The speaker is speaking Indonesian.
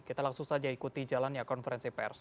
kita langsung saja ikuti jalannya konferensi pers